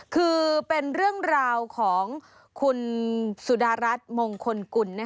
คือเป็นเรื่องราวของคุณสุดารัฐมงคลกุล